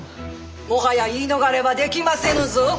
もはや言い逃れはできませぬぞ。